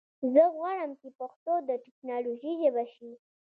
زه غواړم چې پښتو د ټکنالوژي ژبه شي.